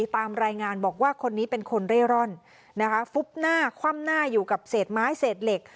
ตามรายงานบอกว่าคนนี้เป็นคนเร่ร่อนนะคะฟุบหน้าคว่ำหน้าอยู่กับเศษไม้เศษเหล็ก